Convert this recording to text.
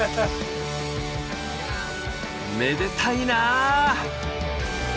めでたいな！